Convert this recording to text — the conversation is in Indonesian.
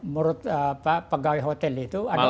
menurut pak pegawai hotel itu